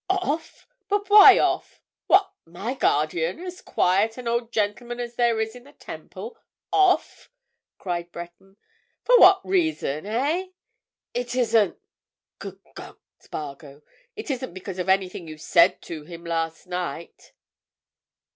"Off! But why off? What—my guardian!—as quiet an old gentleman as there is in the Temple—off!" cried Breton. "For what reason, eh? It isn't—good God, Spargo, it isn't because of anything you said to him last night!"